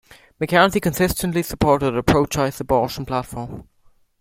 McCarthy consistently supported a pro-choice abortion platform.